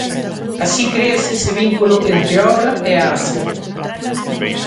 Así crease ese vínculo entre a obra e a acción.